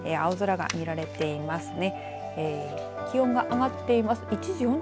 青空が見られていますね。